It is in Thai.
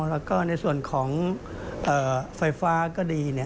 แล้วก็ในส่วนของไฟฟ้าก็ดี